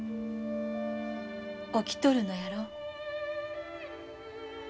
起きとるのやろ？